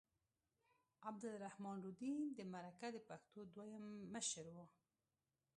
عبدالرحمن لودین د مرکه د پښتو دویم مشر و.